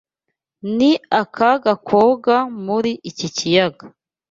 Ni akaga koga muri iki kiyaga.